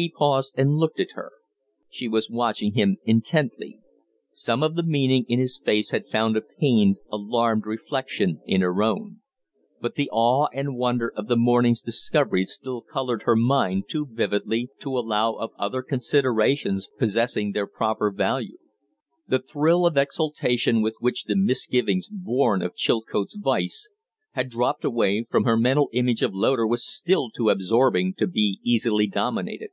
He paused and looked at her. She was watching him intently. Some of the meaning in his face had found a pained, alarmed reflection in her own. But the awe and wonder of the morning's discovery still colored her mind too vividly to allow of other considerations possessing their proper value. The thrill of exultation with which the misgivings born of Chilcote's vice had dropped away from her mental image of Loder was still too absorbing to be easily dominated.